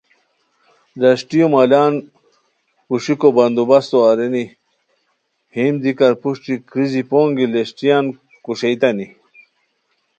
ڈشٹیو مالان کوسیکو بندوبسو ارینی ہیم دیکار پروشٹی کریزی پونگی لشٹیان کوݰیتانی